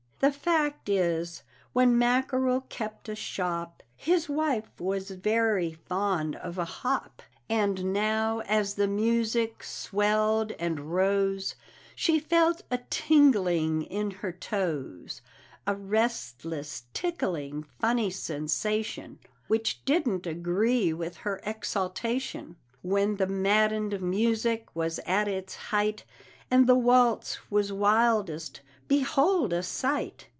The fact is, when Mackerel kept a shop, His wife was very fond of a hop, And now, as the music swelled and rose, She felt a tingling in her toes, A restless, tickling, funny sensation Which didn't agree with her exaltation. When the maddened music was at its height, And the waltz was wildest behold, a sight!